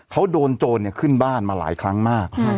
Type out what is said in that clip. เขาโดนโจรขึ้นบ้านมาหลายครั้งมาก